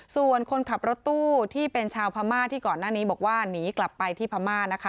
ส่วนคนขับรถตู้ที่เป็นชาวพม่าที่ก่อนหน้านี้บอกว่าหนีกลับไปที่พม่านะคะ